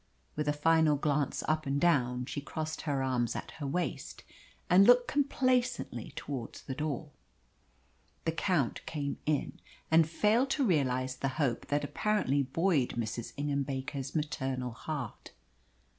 With a final glance up and down, she crossed her arms at her waist and looked complacently towards the door. The Count came in, and failed to realise the hope that apparently buoyed Mrs. Ingham Baker's maternal heart.